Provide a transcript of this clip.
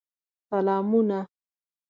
سلامونه